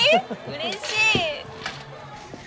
うれしい。